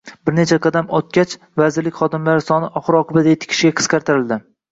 Bir necha qadam o'tgach, vazirlik xodimlari soni oxir -oqibat yetti kishiga qisqartirildi